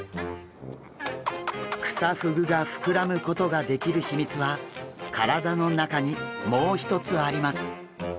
クサフグが膨らむことができる秘密は体の中にもう一つあります。